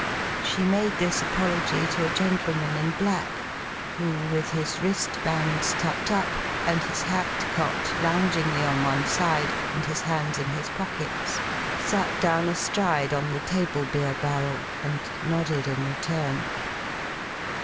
She made this apology to a gentleman in black, who, with his wristbands tucked up, and his hat cocked loungingly on one side, and his hands in his pockets, sat down astride on the table beer barrel, and nodded in return.